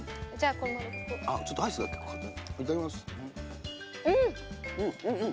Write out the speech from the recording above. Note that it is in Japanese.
いただきます。